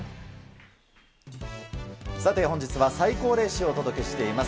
さて、本日は最高齢史をお届けしています。